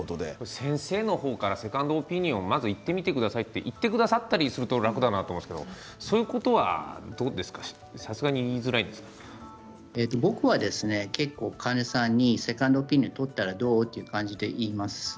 先生の方でセカンドオピニオンに行ってみてくださいって言ってくださると楽だなと思うんですが僕は結構、患者さんにセカンドオピニオンを取ったらどう？という感じで言います。